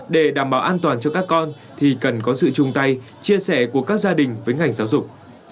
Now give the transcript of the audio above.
để đảm bảo an toàn cho các con thì cần có sự chung tay chia sẻ của các gia đình với ngành giáo dục